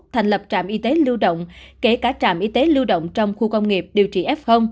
thành lập trạm y tế lưu động kể cả trạm y tế lưu động trong khu công nghiệp điều trị f